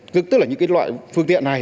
tức là những loại phương tiện này